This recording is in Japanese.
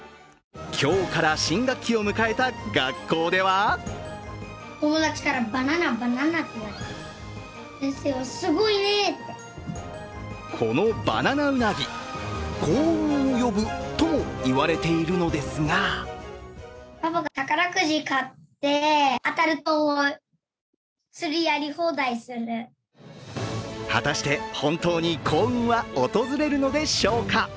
今日から新学期を迎えた学校ではこのバナナウナギ、幸運を呼ぶともいわれているのですが果たして本当に幸運は訪れるのでしょうか。